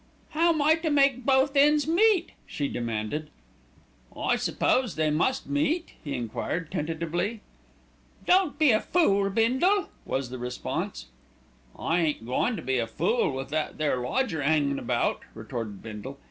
"How am I to make both ends meet?" she demanded. "I suppose they must meet?" he enquired tentatively. "Don't be a fool, Bindle!" was the response. "I ain't goin' to be a fool with that there lodger 'angin' about," retorted Bindle.